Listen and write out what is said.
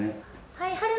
はい。